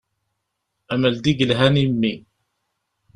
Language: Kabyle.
Mel-d i yelhan i mmi.